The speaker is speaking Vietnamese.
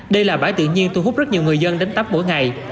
đây là bãi tự nhiên thu hút rất nhiều người dân đến tắp mỗi ngày